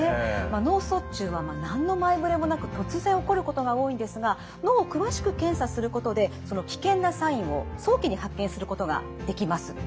脳卒中は何の前触れもなく突然起こることが多いんですが脳を詳しく検査することでその危険なサインを早期に発見することができます。